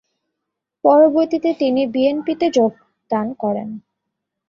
পরবর্তীতে তিনি বিএনপিতে যোগদান করেন।